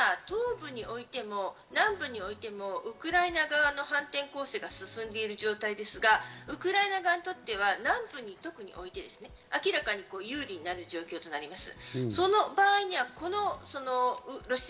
だって今、東部においても南部においてもウクライナ側の反転攻勢が進んでる状態ですが、ウクライナ側にとっては南部において、明らかに有利になる状況になります。